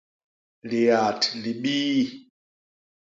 Liat libii.